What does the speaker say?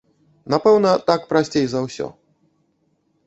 Напэўна, так прасцей за ўсё.